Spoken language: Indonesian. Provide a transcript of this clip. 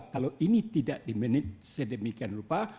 kalau ini tidak diminit sedemikian lupa